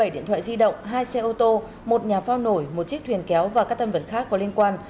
một mươi bảy điện thoại di động hai xe ô tô một nhà phao nổi một chiếc thuyền kéo và các tân vật khác có liên quan